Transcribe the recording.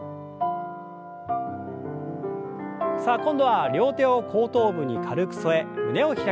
さあ今度は両手を後頭部に軽く添え胸を開きます。